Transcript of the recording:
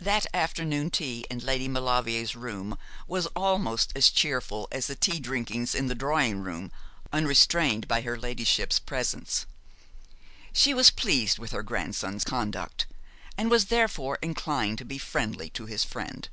That afternoon tea in Lady Maulevrier's room was almost as cheerful as the tea drinkings in the drawing room, unrestrained by her ladyship's presence. She was pleased with her grandson's conduct, and was therefore inclined to be friendly to his friend.